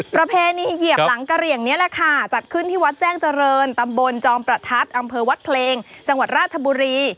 ประเพณีเหยียบหลังกะเหลี่ยงนี้แหละค่ะจัดขึ้นที่วัดแจ้งเจริญตำบลจอมประทัดอำเภอวัดเพลงจังหวัดราชบุรี